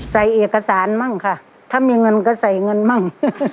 ใส่เอกสารมั่งค่ะถ้ามีเงินก็ใส่เงินมั่ง